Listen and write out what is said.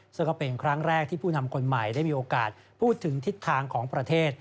ซึ่งก็เป็นครั้งแรกที่ผู้นำคนใหม่ได้มีโอกาสพูดถึงทิศทางของประเทศ